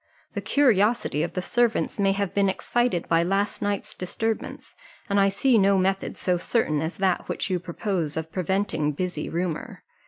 The curiosity of the servants may have been excited by last night's disturbance, and I see no method so certain as that which you propose of preventing busy rumour.